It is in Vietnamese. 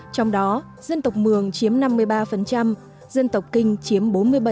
trong đó dân tộc mường chiếm năm mươi ba dân tộc kinh chiếm bốn mươi bảy